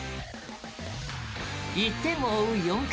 １点を追う４回。